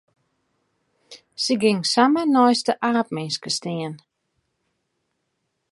Se gyng samar neist de aapminske stean.